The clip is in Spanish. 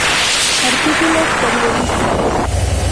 Artículos periodísticos